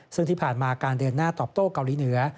ซึ่งที่ผ่านมาการเดินหน้าตอบโต้เกาหลีเหนือ